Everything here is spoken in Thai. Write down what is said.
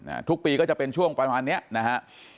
ทุกปีก็จะเป็นช่วงประมาณเนี้ยนะฮะ